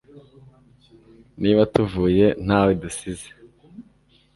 niba tuvuye ntawe dusize